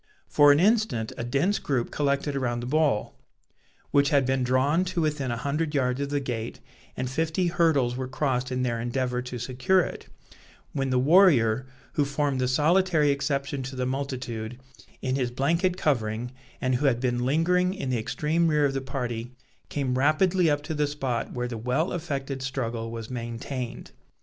For an instant a dense group collected around the ball, which had been drawn to within a hundred yards of the gate, and fifty hurdles were crossed in their endeavour to secure it, when the warrior, who formed the solitary exception to the multitude, in his blanket covering, and who had been lingering in the extreme rear of the party, came rapidly up to the spot where the well affected struggle was maintained.